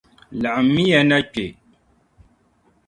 Laɣim mi ya na kpe.